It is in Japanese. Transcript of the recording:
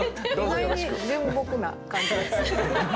意外に純朴な感じですね。